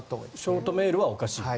ショートメールはおかしいと。